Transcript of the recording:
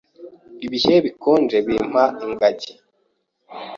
Ibihe bikonje bimpa ingagi.